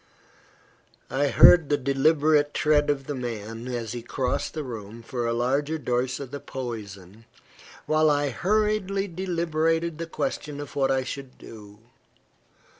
I heard the deliberate tread of the man, as he crossed the room for a larger dose of the poison, while I hurriedly deliberated the question of what I should do.